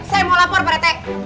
saya mau lapor pak retek